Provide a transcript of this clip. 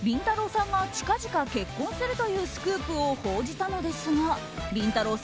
さんが近々結婚するというスクープを報じたのですがりんたろー。